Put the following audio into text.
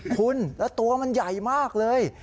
คุณแล้วตัวมันใหญ่มากเลย